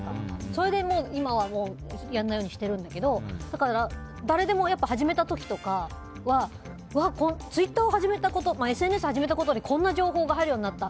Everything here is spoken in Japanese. それで今はやらないようにしてるんだけどだから、誰でも始めた時とかはツイッター、ＳＮＳを始めたことでこんな情報が入るようになった。